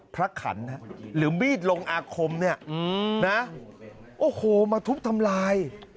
ขันหรือมีดลงอาคมเนี่ยนะโอ้โหมาทุบทำลาย